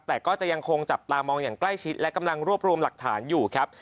แต่ก็จะยังคงจับตามองอย่างใกล้ชิดและกำลังรวบรวมหลักฐานอยู่ครับ